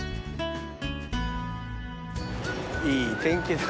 いい天気だ。